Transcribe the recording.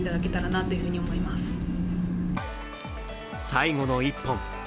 最後の１本。